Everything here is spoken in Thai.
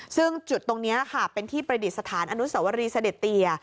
ซึ่งจุดตรงนี้ค่ะเป็นที่ประดิษฐานอนุสวรีเสด็จเตีย